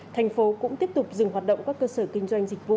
thành phố cũng tiếp tục dừng hoạt động các cơ sở kinh doanh dịch vụ